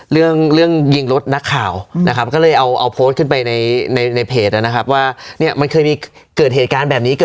เรื่องยิงรถนักข่าวนะครับ